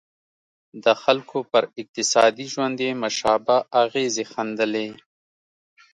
د خلکو پر اقتصادي ژوند یې مشابه اغېزې ښندلې.